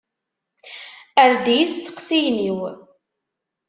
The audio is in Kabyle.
Err-d i yisteqsiyen-iw.